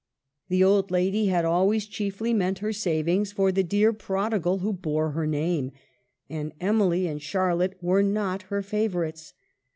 The old lady had always chiefly meant her savings for the dear prodigal who bore her name, and Emily and Charlotte were not her favorites.